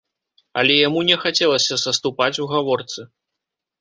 Але яму не хацелася саступаць у гаворцы.